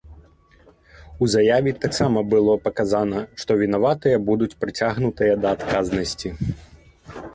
У заяве таксама было паказана, што вінаватыя будуць прыцягнутыя да адказнасці.